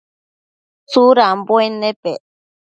Tsudambuen nepec ?